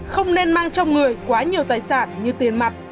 không nên mang trong người quá nhiều tài sản như tiền mặt